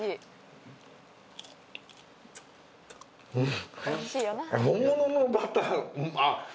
うん！